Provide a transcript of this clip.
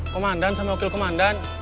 komandan sama wakil komandan